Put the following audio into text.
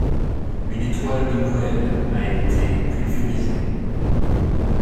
Une étoile de Noël a été pulvérisée.